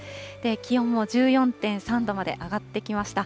気温も１４．３度まで上がってきました。